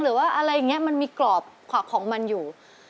หรือว่าอะไรอย่างนี้มันมีกรอบขวักของมันอยู่